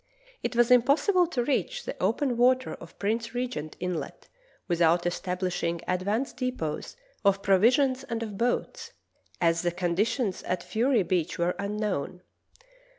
It was impossible to reach the open water of Prince Regent Inlet without establishing advance depots of provisions and of boats, as the conditions at Fury Beach were unknown.